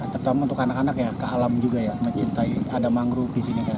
terutama untuk anak anak ya ke alam juga ya mencintai ada mangrove di sini kan